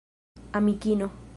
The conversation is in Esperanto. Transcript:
amikino